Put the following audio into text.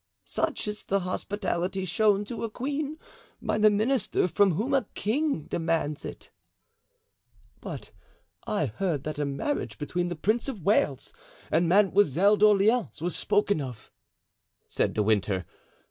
"Such is the hospitality shown to a queen by the minister from whom a king demands it." "But I heard that a marriage between the Prince of Wales and Mademoiselle d'Orleans was spoken of," said De Winter.